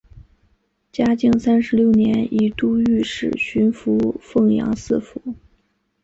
嘉靖三十六年以都御史巡抚凤阳四府。